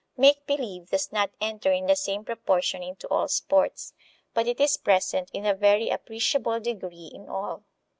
Make believe does not enter in the same proportion into all sports, but it is present in a very appreciable degree in all.